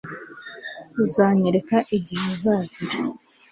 uzanyereka igihe azazira